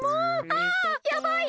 あやばい！